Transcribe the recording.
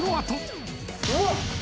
・うわっ！